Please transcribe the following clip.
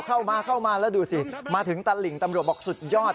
เข้ามาแล้วดูสิมาถึงตานหลิงตำรวจบอกสุดยอด